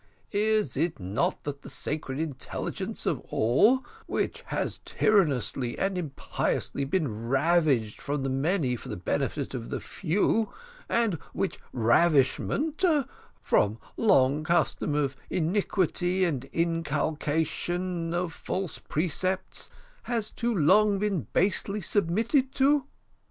Is it not that the sacred inheritance of all, which has tyrannously and impiously been ravished from the many for the benefit of the few, and which ravishment, from long custom of iniquity and inculcation of false precepts, has too long been basely submitted to?